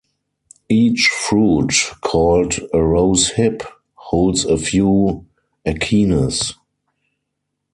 Each fruit, called a rose hip, holds a few achenes.